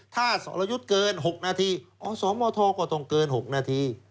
ถ้าสรยุทธ์เกิน๖นาทีอสมทก็ต้องเกิน๖นาที